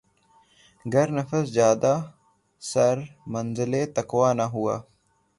گر نفس جادہٴ سر منزلِ تقویٰ نہ ہوا